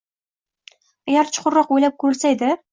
Agar chuqurroq o’ylab ko’rilsa edi.